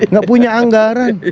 nggak punya anggaran